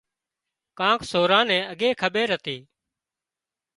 ڪانڪ سوران نين اڳي کٻير هتي